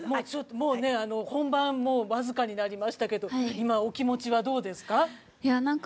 もう、本番僅かになりましたけど今、お気持ちはどうですか？